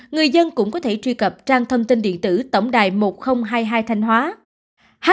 người dân cũng có thể truy cập trang thông tin điện tử tổng đài một nghìn hai mươi hai thanh hóa